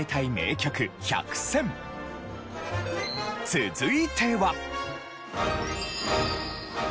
続いては。